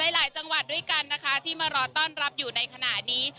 หลายจังหวัดด้วยกันนะคะที่มารอต้อนรับอยู่ในขณะนี้